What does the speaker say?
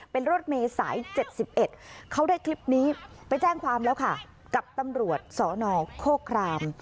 เป็นรถเมย์สาย๗๑เขาได้คลิปนี้ไปแจ้งความแล้วค่ะกับตำรวจสนโคคราม